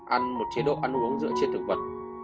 ăn một chế độ ăn uống dựa trên thực vật